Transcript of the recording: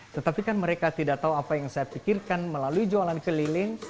tetapi kan mereka tidak tahu apa yang saya pikirkan melalui jualan keliling